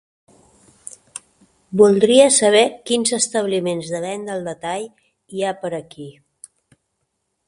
Voldria saber quins establiments de venda al detall hi ha per aquí.